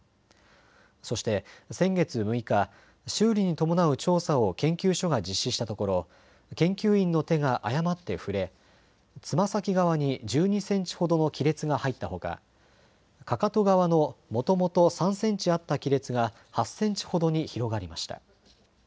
そして先月６日、修理に伴う調査を研究所が実施したところ研究員の手が誤って触れつま先側に１２センチほどの亀裂が入ったほかかかと側のもともと３センチあった亀裂が８センチほどに広がりました。